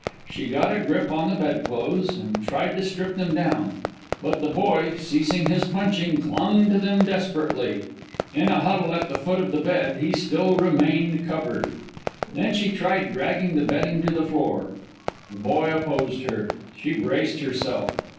She got a grip on the bedclothes and tried to strip them down; but the boy, ceasing his punching, clung to them desperately. In a huddle, at the foot of the bed, he still remained covered. Then she tried dragging the bedding to the floor. The boy opposed her. She braced herself.